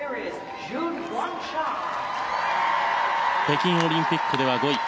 北京オリンピックでは５位。